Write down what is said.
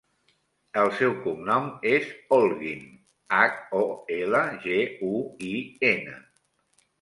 El seu cognom és Holguin: hac, o, ela, ge, u, i, ena.